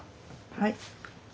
はい。